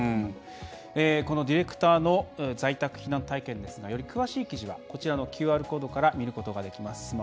このディレクターの在宅避難体験ですがより詳しい記事はこちらのＱＲコードから見ることができます。